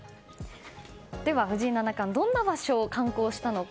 では、藤井七冠はどんな場所を観光したのか。